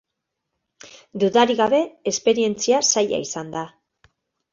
Dudarik gabe, esperientzia zaila izan da.